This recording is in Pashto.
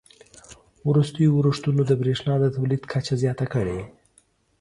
وروستیو اورښتونو د بریښنا د تولید کچه زیاته کړې